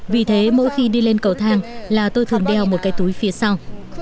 vì thế mỗi khi đi lên cầu thang là tôi thường đeo một cái túi phía sau